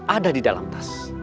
ada di dalam tas